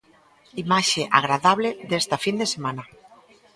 Imaxe agradable desta fin de semana.